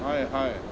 はい。